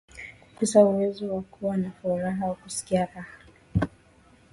Kukosa uwezo wa kuwa na furaha au kusikia raha